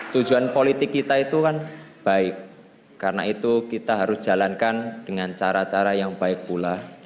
tujuan politik kita itu kan baik karena itu kita harus jalankan dengan cara cara yang baik pula